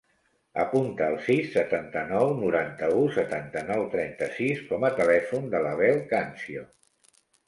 Apunta el sis, setanta-nou, noranta-u, setanta-nou, trenta-sis com a telèfon de l'Abel Cancio.